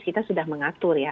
kita sudah mengatur ya